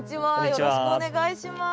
よろしくお願いします。